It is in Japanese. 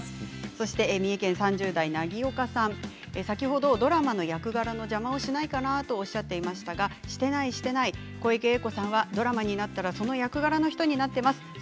先ほどドラマの役柄の邪魔をしないかなとおっしゃっていましたがしていない、していない小池栄子さんはドラマになったらその役柄の人になっています。